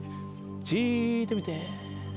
じっと見て。